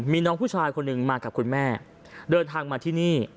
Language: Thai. มีน้องผู้ชายคนหนึ่งมากับคุณแม่เดินทางมาที่นี่